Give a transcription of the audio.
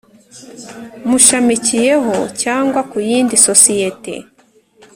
Mushamikiyeho cyangwa ku yindi sosiyete